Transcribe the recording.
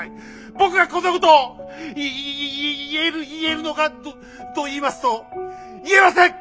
僕がこんなこといい言える言えるのかといいますと言えません！